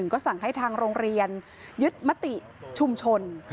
ก็สั่งให้ทางโรงเรียนยึดมติชุมชน